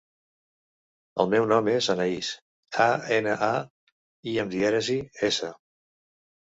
El meu nom és Anaïs: a, ena, a, i amb dièresi, essa.